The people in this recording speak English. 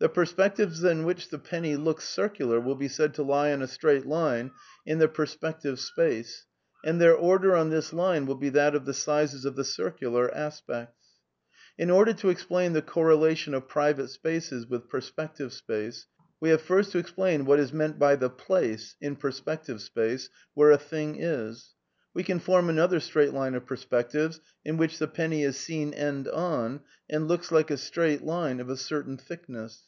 The perspectives in which the penny looks circular will be said to lie on a straight line in iierspective space, and their order on this line will be that of die sizes of the circular aspects. .•. ^'In order to explain the correlation of private spaces with perspective space, we have first to explain what is meant by ^ the place (in perspective space) where a thing is. ...' We can form another straight Ime of i>erspectives in which the penny is seen end on and looks like a straight line of a certain thick ness.